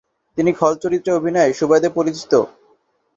তিনি খল চরিত্রে অভিনয়ের সুবাদে পরিচিত।